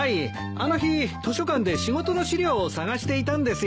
あの日図書館で仕事の資料を探していたんですよ。